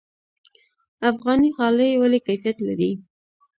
افغاني غالۍ ولې کیفیت لري؟